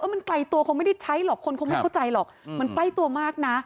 มันไกลตัวคงไม่ได้ใช้หรอกคนคงไม่เข้าใจหรอกมันใกล้ตัวมากนะ